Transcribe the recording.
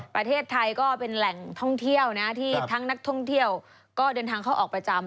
ประเทศไทยก็เป็นแหล่งท่องเที่ยวนะที่ทั้งนักท่องเที่ยวก็เดินทางเข้าออกประจำ